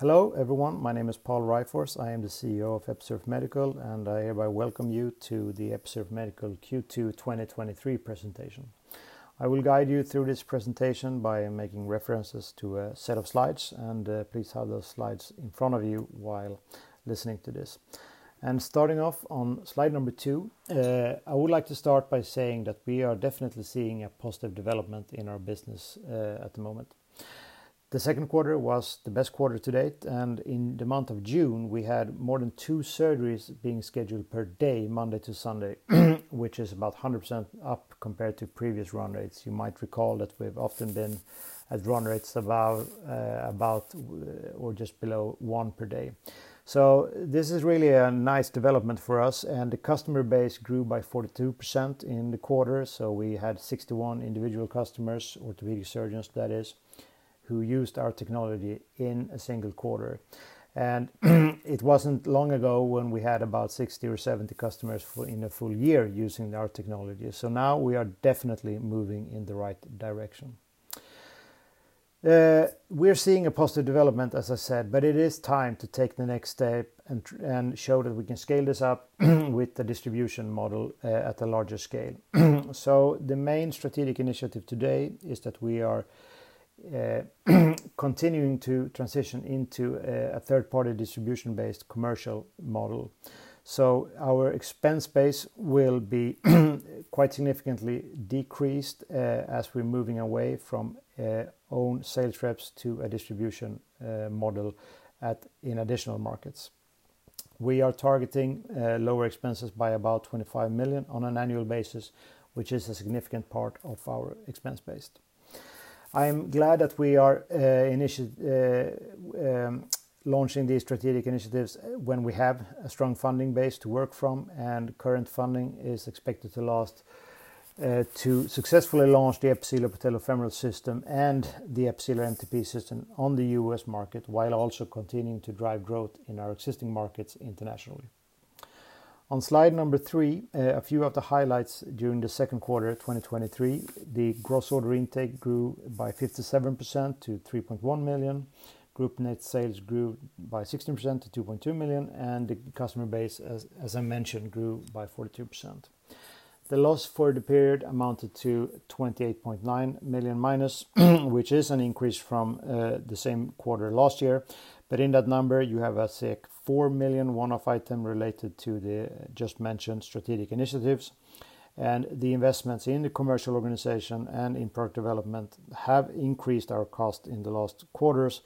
Hello, everyone. My name is Pål Ryfors. I am the CEO of Episurf Medical. I hereby welcome you to the Episurf Medical Q2 2023 presentation. I will guide you through this presentation by making references to a set of slides. Please have those slides in front of you while listening to this. Starting off on slide number two, I would like to start by saying that we are definitely seeing a positive development in our business at the moment. The second quarter was the best quarter to date. In the month of June, we had more than two surgeries being scheduled per day, Monday to Sunday, which is about 100% up compared to previous run rates. You might recall that we've often been at run rates about or just below one per day. This is really a nice development for us, the customer base grew by 42% in the quarter, we had 61 individual customers, orthopedic surgeons that is, who used our technology in a single quarter. It wasn't long ago when we had about 60 or 70 customers in a full year using our technology. Now we are definitely moving in the right direction. We're seeing a positive development, as I said, but it is time to take the next step and show that we can scale this up, with the distribution model, at a larger scale. The main strategic initiative today is that we are continuing to transition into a third-party distribution-based commercial model. Our expense base will be, quite significantly decreased, as we're moving away from own sales reps to a distribution model in additional markets. We are targeting lower expenses by about 25 million on an annual basis, which is a significant part of our expense base. I am glad that we are launching these strategic initiatives when we have a strong funding base to work from, and current funding is expected to last to successfully launch the Episealer Patellofemoral System and the Episealer MTP System on the U.S. market, while also continuing to drive growth in our existing markets internationally. On slide number three, a few of the highlights during the second quarter of 2023, the gross order intake grew by 57% to 3.1 million. Group net sales grew by 16% to 2.2 million, and the customer base, as I mentioned, grew by 42%. The loss for the period amounted to 28.9 million minus, which is an increase from the same quarter last year. In that number, you have a, say, 4 million one-off item related to the just mentioned strategic initiatives, and the investments in the commercial organization and in product development have increased our cost in the last quarters,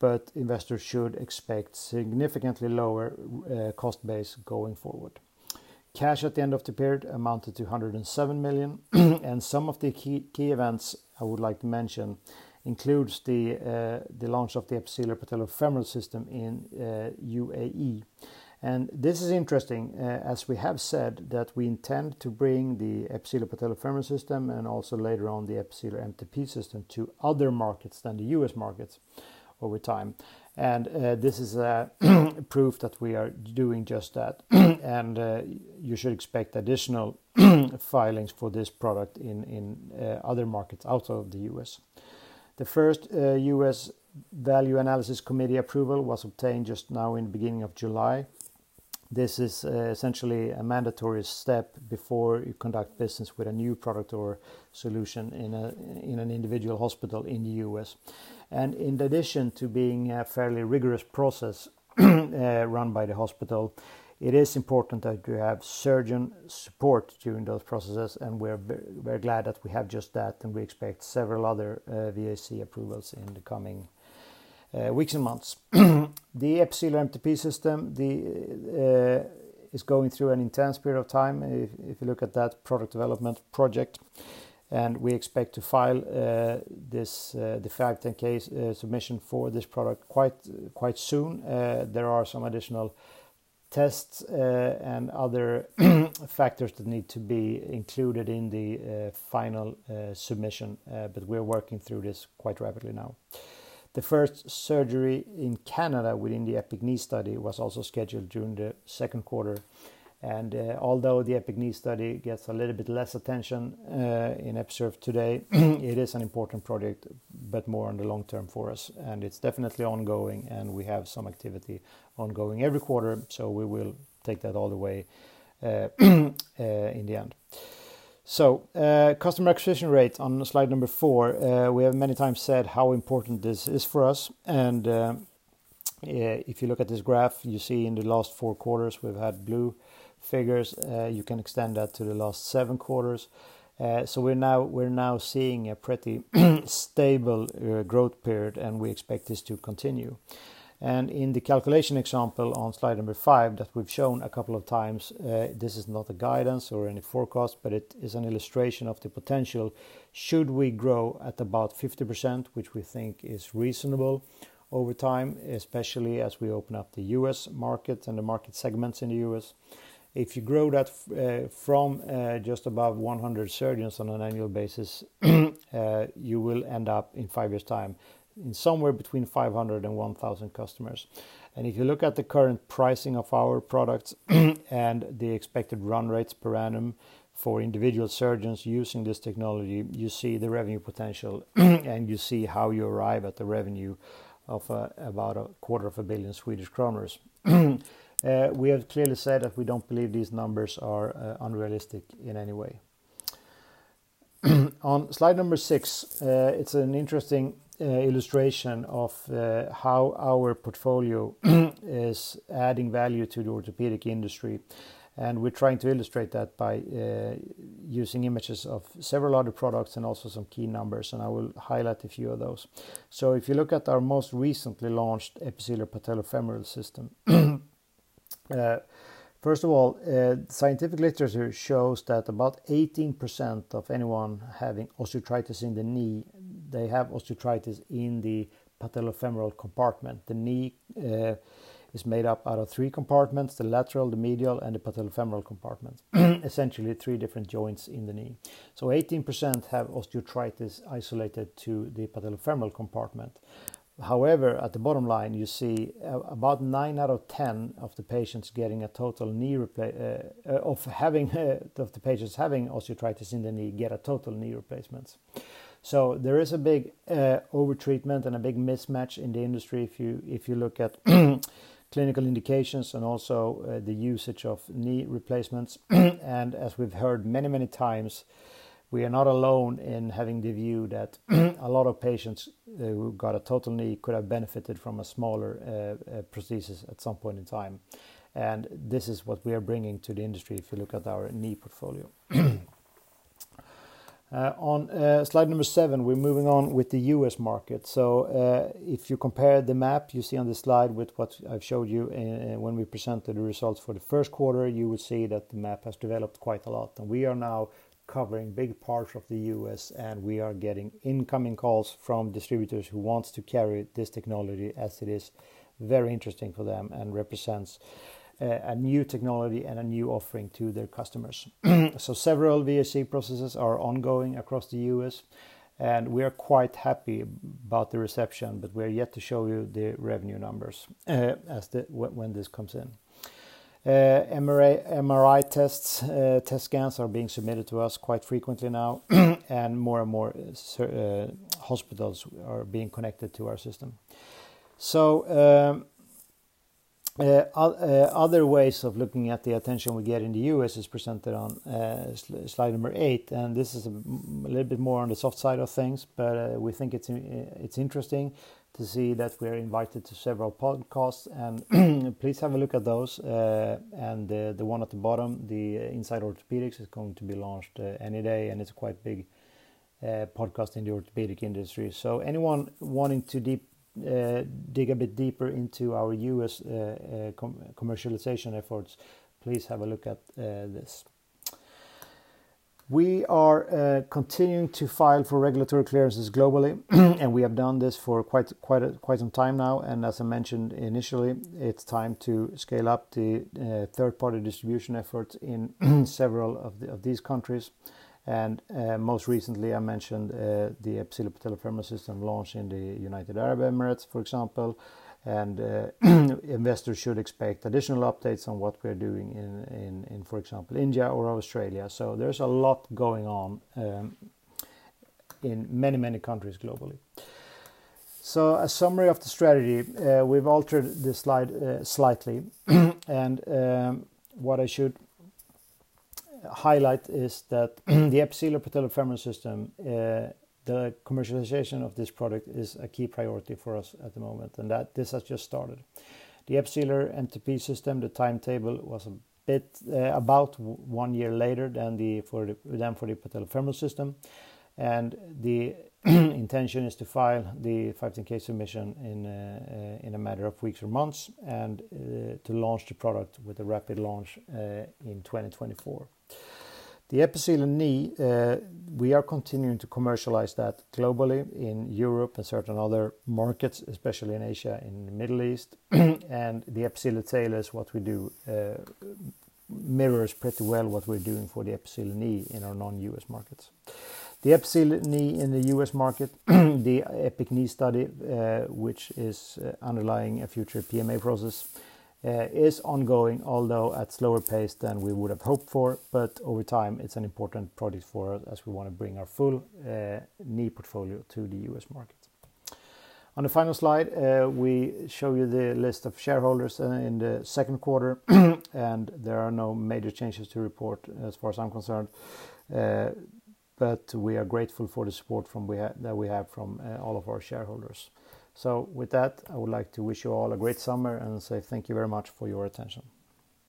but investors should expect significantly lower cost base going forward. Cash at the end of the period amounted to 107 million. Some of the key events I would like to mention includes the launch of the Episealer Patellofemoral System in U.A.E. This is interesting, as we have said, that we intend to bring the Episealer Patellofemoral System, and also later on the Episealer MTP System, to other markets than the U.S. markets over time. This is a proof that we are doing just that. You should expect additional filings for this product in, other markets outside of the U.S. The first, U.S. Value Analysis Committee approval was obtained just now in the beginning of July. This is essentially a mandatory step before you conduct business with a new product or solution in a, in an individual hospital in the U.S. In addition to being a fairly rigorous process, run by the hospital, it is important that you have surgeon support during those processes, and we're very, very glad that we have just that, and we expect several other VAC approvals in the coming weeks and months. The Episealer MTP System is going through an intense period of time if you look at that product development project, and we expect to file this 510(k) submission for this product quite soon. There are some additional tests, and other factors that need to be included in the final submission, but we're working through this quite rapidly now. The first surgery in Canada within the EPIC-Knee study was also scheduled during the 2nd quarter, although the EPIC-Knee study gets a little bit less attention in Episurf today, it is an important project, but more on the long term for us, it's definitely ongoing, and we have some activity ongoing every quarter, we will take that all the way in the end. Customer acquisition rate on slide number four, we have many times said how important this is for us, if you look at this graph, you see in the last four quarters, we've had blue figures. You can extend that to the last seven quarters. We're now seeing a pretty stable growth period, and we expect this to continue. In the calculation example on slide number five, that we've shown a couple of times, this is not a guidance or any forecast, but it is an illustration of the potential should we grow at about 50%, which we think is reasonable over time, especially as we open up the U.S. market and the market segments in the U.S. If you grow that from just above 100 surgeons on an annual basis, you will end up in five years' time in somewhere between 500 and 1,000 customers. If you look at the current pricing of our products, and the expected run rates per annum for individual surgeons using this technology, you see the revenue potential, and you see how you arrive at the revenue of about 250 million Swedish kronor. We have clearly said that we don't believe these numbers are unrealistic in any way. On slide number six, it's an interesting illustration of how our portfolio is adding value to the orthopedic industry. We're trying to illustrate that by using images of several other products and also some key numbers. I will highlight a few of those. If you look at our most recently launched Episealer Patellofemoral System, first of all, scientific literature shows that about 18% of anyone having osteoarthritis in the knee, they have osteoarthritis in the patellofemoral compartment. The knee is made up out of three compartments: the lateral, the medial, and the patellofemoral compartment. Essentially, three different joints in the knee. 18% have osteoarthritis isolated to the patellofemoral compartment. However, at the bottom line, you see about nine out of 10 of the patients having osteoarthritis in the knee, get a total knee replacement. There is a big overtreatment and a big mismatch in the industry if you look at clinical indications and also the usage of knee replacements. As we've heard many times, we are not alone in having the view that a lot of patients who got a total knee could have benefited from a smaller prosthesis at some point in time. This is what we are bringing to the industry if you look at our knee portfolio. On slide number seven, we're moving on with the U.S. market. If you compare the map you see on the slide with what I've showed you when we presented the results for the first quarter, you will see that the map has developed quite a lot. We are now covering big parts of the U.S., and we are getting incoming calls from distributors who wants to carry this technology as it is very interesting for them and represents a new technology and a new offering to their customers. Several VAC processes are ongoing across the U.S., and we are quite happy about the reception, but we're yet to show you the revenue numbers when this comes in. MRI tests, test scans are being submitted to us quite frequently now, and more and more hospitals are being connected to our system. Other ways of looking at the attention we get in the U.S. is presented on slide number eight, and this is a little bit more on the soft side of things, but we think it's interesting to see that we're invited to several podcasts. Please have a look at those, and the one at the bottom, the Inside Orthopedics, is going to be launched any day, and it's a quite big podcast in the orthopedic industry. Anyone wanting to deep dig a bit deeper into our U.S. commercialization efforts, please have a look at this. We are continuing to file for regulatory clearances globally, and we have done this for quite some time now. As I mentioned initially, it's time to scale up the, third-party distribution efforts in, several of these countries. Most recently, I mentioned, the Episealer Patellofemoral System launched in the United Arab Emirates, for example, and, investors should expect additional updates on what we're doing in, in, for example, India or Australia. There's a lot going on, in many, many countries globally. A summary of the strategy, we've altered this slide, slightly. What I should highlight is that the Episealer Patellofemoral System, the commercialization of this product is a key priority for us at the moment, and that this has just started. The Episealer MTP System, the timetable was a bit, about one year later than the, than for the patellofemoral system. The intention is to file the 510(k) submission in a matter of weeks or months, and to launch the product with a rapid launch in 2024. The Episealer Knee, we are continuing to commercialize that globally in Europe and certain other markets, especially in Asia and in the Middle East. The Episealer Talus is what we do, mirrors pretty well what we're doing for the Episealer Knee in our non-U.S. markets. The Episealer Knee in the U.S. market, the EPIC-Knee study, which is underlying a future PMA process, is ongoing, although at slower pace than we would have hoped for, but over time, it's an important product for us as we want to bring our full knee portfolio to the U.S. market. On the final slide, we show you the list of shareholders in the second quarter. There are no major changes to report as far as I'm concerned. We are grateful for the support that we have from all of our shareholders. With that, I would like to wish you all a great summer and say thank you very much for your attention.